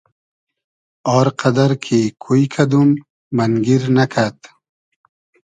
آر قئدئر کی کوی کئدوم مئنگیر نئکئد